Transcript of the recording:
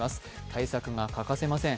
対策が欠かせません。